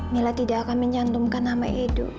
mila tidak akan mencantumkan nama edo